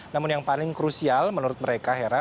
namun yang paling krusial menurut mereka hera